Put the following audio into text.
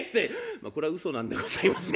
まあこれはうそなんでございますが。